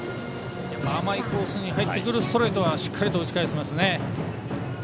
甘いコースに入ってくるストレートはしっかりと打ち返してますね。